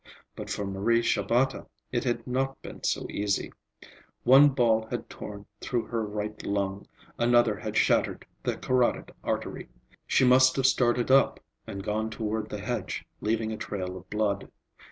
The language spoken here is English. But for Marie Shabata it had not been so easy. One ball had torn through her right lung, another had shattered the carotid artery. She must have started up and gone toward the hedge, leaving a trail of blood.